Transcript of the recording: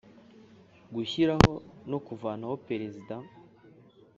Gushyiraho no kuvanaho Perezida